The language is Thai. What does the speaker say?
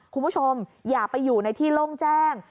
คุณผู้ชมอย่าไปอยู่ในที่โล่งแจ้ง